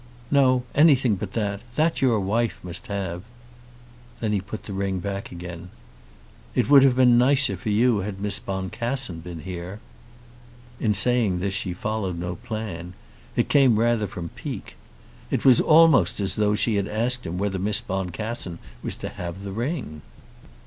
"No; anything but that. That your wife must have." Then he put the ring back again. "It would have been nicer for you had Miss Boncassen been here." In saying this she followed no plan. It came rather from pique. It was almost as though she had asked him whether Miss Boncassen was to have the ring.